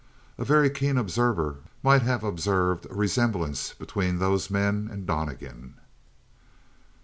A very keen observer might have observed a resemblance between those men and Donnegan.